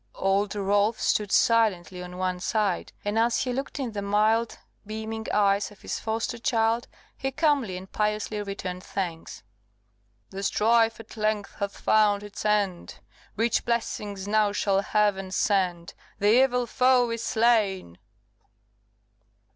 Old Rolf stood silently on one side, and as he looked in the mild beaming eyes of his foster child, he calmly and piously returned thanks: "The strife at length hath found its end, Rich blessings now shall heaven send! The evil foe is slain!"